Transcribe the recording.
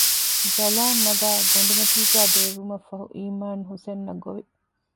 ޖަލާން ނަގައި ގޮޑިމަތީގައި ބޭއްވުމަށްފަހު އީމާން ހުސެންއަށް ގޮވި